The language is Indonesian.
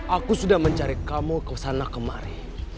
aku sudah mencari kamu ke sana kemari